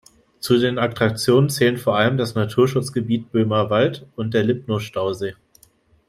Zu den Attraktionen zählen vor allem das Naturschutzgebiet Böhmerwald und der Lipno-Stausee.